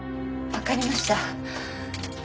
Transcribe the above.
わかりました。